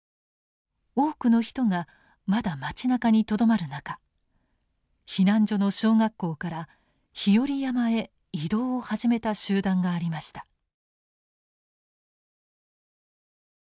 多くの人がまだ町なかにとどまる中避難所の小学校から日和山へ移動を始めた集団がありました。